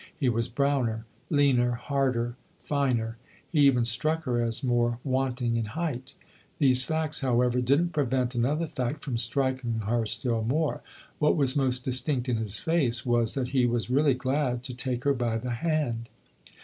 He was browner, leaner, harder, finer ; he even struck her as more wanting in height. These facts, however, didn't prevent another fact from striking her still more : what was most distinct in his face was that he was really glad to take her by the hand.